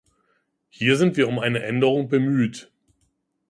Hier sind wir um eine Änderung bemüht.